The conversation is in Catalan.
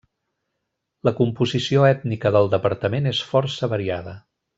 La composició ètnica del departament és força variada.